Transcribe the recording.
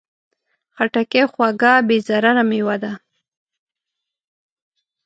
خټکی خوږه، بې ضرره مېوه ده.